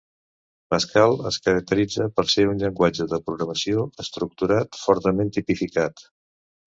Pascal es caracteritza per ser un llenguatge de programació estructurat fortament tipificat.